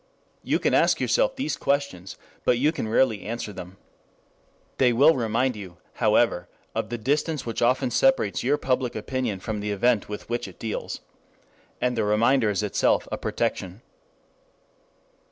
You can ask yourself these questions, but you can rarely answer them. They will remind you, however, of the distance which often separates your public opinion from the event with which it deals. And the reminder is itself a protection.